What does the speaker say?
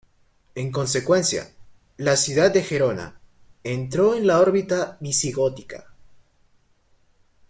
En consecuencia, la ciudad de Gerona, entró en la órbita visigótica.